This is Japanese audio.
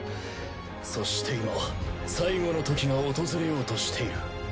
そして今最後の時が訪れようとしている。